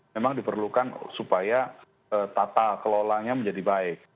memang diperlukan supaya tata kelolanya menjadi baik